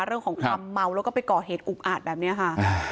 เรื่องของความเมาแล้วก็ไปก่อเหตุอุกอาจแบบนี้ค่ะ